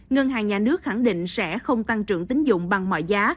ngân hàng nhà nước khẳng định sẽ không tăng trưởng tín dụng bằng mọi giá